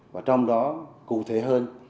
và trong đó cụ thể hơn